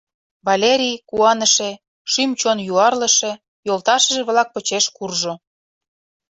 Валерий, куаныше, шӱм-чон юарлыше, йолташыже-влак почеш куржо.